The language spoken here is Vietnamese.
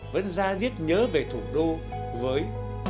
vẫn gia giết nhớ về thủ đô với